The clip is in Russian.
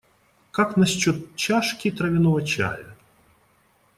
Как насчет чашки травяного чая?